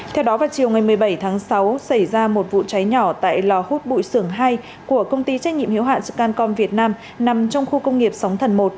theo đó vào chiều ngày một mươi bảy tháng sáu xảy ra một vụ cháy nhỏ tại lò hút bụi sưởng hai của công ty trách nhiệm hiếu hạn scancom việt nam nằm trong khu công nghiệp sóng thần một